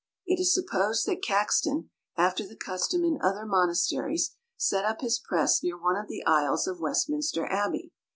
It is supposed that Caxton, after the custom in other monasteries, set up his press near one of the aisles of Westminster Abbey.